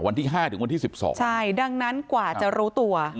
วันที่๕ถึงวันที่๑๒ใช่ดังนั้นกว่าจะรู้ตัว